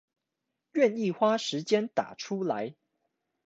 願意花時間打出來